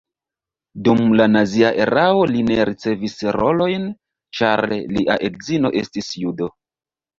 Dum la nazia erao li ne ricevis rolojn, ĉar lia edzino estis judo.